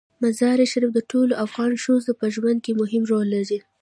مزارشریف د ټولو افغان ښځو په ژوند کې مهم رول لري.